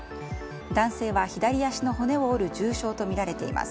男性は左足の骨を折る重傷とみられています。